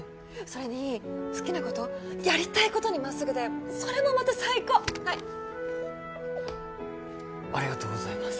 それに好きなことやりたいことにまっすぐでそれもまた最高っはいありがとうございます